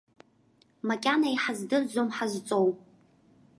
Макьана иҳаздырӡом ҳазҵоу.